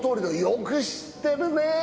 よく知ってるねぇ。